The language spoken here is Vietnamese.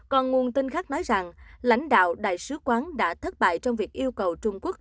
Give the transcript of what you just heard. còn nguồn tin khác nói rằng lãnh đạo đại sứ quán đã thất bại trong việc yêu cầu trung quốc